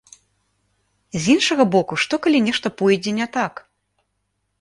З іншага боку, што, калі нешта пойдзе не так?